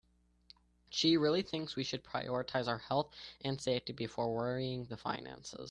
She really thinks we should prioritize our health and safety before worrying the finances.